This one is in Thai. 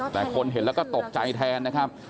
แต่คนเห็นแล้วก็ตกใจแทนนะครับ